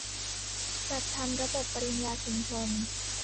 จัดทำระบบปริญญาชุมชน